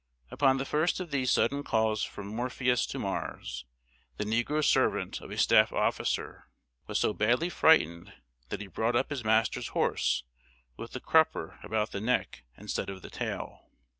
Upon the first of these sudden calls from Morpheus to Mars, the negro servant of a staff officer was so badly frightened that he brought up his master's horse with the crupper about the neck instead of the tail.